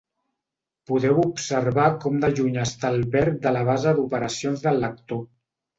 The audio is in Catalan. Podeu observar com de lluny està el verb de la base d'operacions del lector.